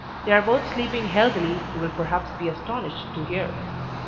They are both sleeping healthily you will perhaps be astonished to hear.